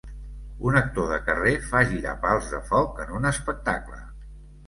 Un actor de carrer fa girar pals de foc en un espectable.